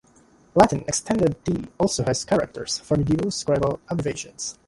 Latin Extended-D also has characters for medieval scribal abbreviations.